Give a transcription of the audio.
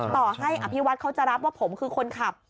ต่อให้อภิวัฒน์เขาจะรับว่าผมคือคนขับ